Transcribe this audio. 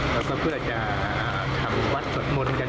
แล้วก็เพื่อจะทำวัดสวดมนต์กัน